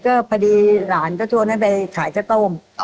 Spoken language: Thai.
พอดีหลานก็ชวนให้ไปขายแช่โต้ม